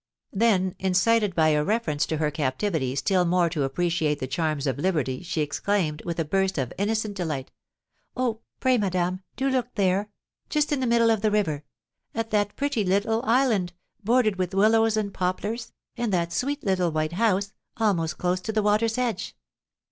Then, incited by a reference to her captivity still more to appreciate the charms of liberty, she exclaimed, with a burst of innocent delight: "Oh, pray, madame, do look there, just in the middle of the river, at that pretty little island, bordered with willows and poplars, and that sweet little white house, almost close to the water's edge!